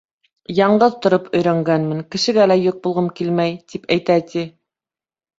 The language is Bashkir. Яңғыҙ тороп өйрәнгәнмен, кешегә лә йөк булғым килмәй, тип әйтә, ти.